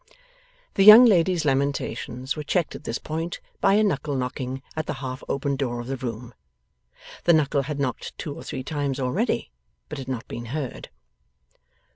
The young lady's lamentations were checked at this point by a knuckle, knocking at the half open door of the room. The knuckle had knocked two or three times already, but had not been heard.